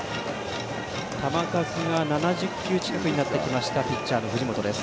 球数が７０球近くになってきましたピッチャーの藤本です。